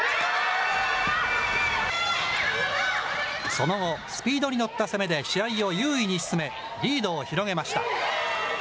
その後、スピードに乗った攻めで試合を優位に進め、リードを広げました。